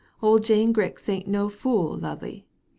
Old Jane Grix ain't no fool, lovey.